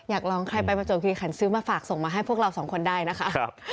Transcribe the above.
อยากลองใครไปประจวบคิริขันซื้อมาฝากส่งมาให้พวกเราสองคนได้นะคะ